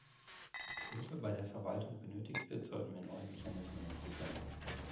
Wo Hilfe bei der Verwaltung benötigt wird, sollten wir neue Mechanismen entwickeln.